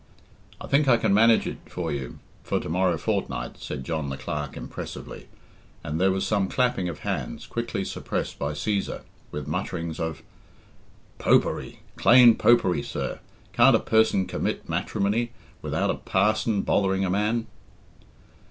"I think I can manage it for you for to morrow fortnight," said John the Clerk impressively, and there was some clapping of hands, quickly suppressed by Cæsar, with mutterings of "Popery! clane Popery, sir! Can't a person commit matrimony without a parson bothering a man?"